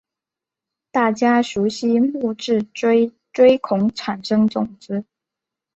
大家熟悉木质锥锥孔产生种子。